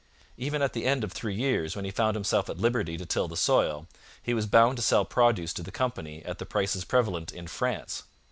Even at the end of three years, when he found himself at liberty to till the soil, he was bound to sell produce to the company at the prices prevalent in France.